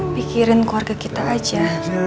pikirin keluarga kita aja